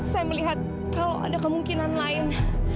saya melihat kalau ada kemungkinan lain